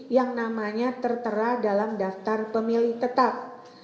yang namanya tertera dalam daftar pemilih tetap